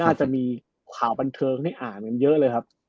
อาจจะมีข่าวบันเทิงให้อ่านกันเยอะเลยครับ